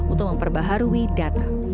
untuk memperbaharui data